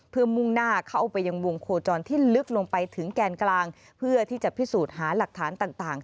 เพื่อมุ่งหน้าเข้าไปยังวงโคจรที่ลึกลงไปถึงแกนกลางเพื่อที่จะพิสูจน์หาหลักฐานต่าง